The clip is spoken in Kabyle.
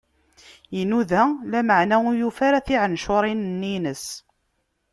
Inuda, lameɛna ur yufi ara tiɛencuṛin-nni-ines.